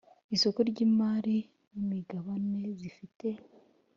isko ry imari n imigabane zifite